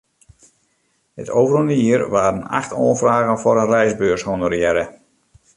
It ôfrûne jier waarden acht oanfragen foar in reisbeurs honorearre.